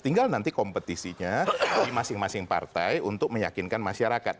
tinggal nanti kompetisinya di masing masing partai untuk meyakinkan masyarakat